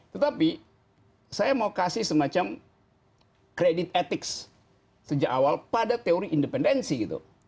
tetapi saya mau kasih semacam kredit etik sejak awal pada teori independensi gitu